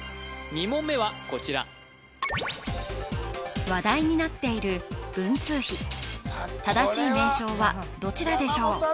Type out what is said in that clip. ２問目はこちら話題になっている文通費正しい名称はどちらでしょう？